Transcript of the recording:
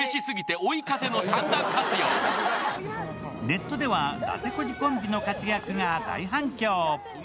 ネットでは、だてこじコンビの活躍が大反響。